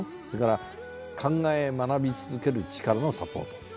それから考え学び続けるチカラのサポート。